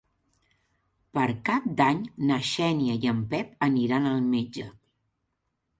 Per Cap d'Any na Xènia i en Pep aniran al metge.